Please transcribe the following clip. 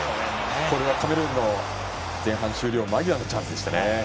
カメルーンの前半終了間際のチャンスでした。